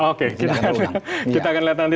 oke kita akan lihat nanti